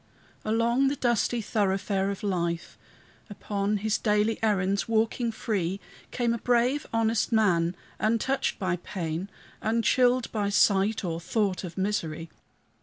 Along the dusty thoroughfare of life, Upon his daily errands walking free, Came a brave, honest man, untouched by pain, Unchilled by sight or thought of misery.